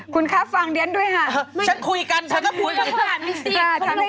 คุณคะฟังเดียวหน่อยไหมฮะ